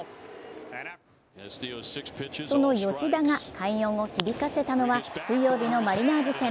その吉田が快音を響かせたのは水曜日のマリナーズ戦。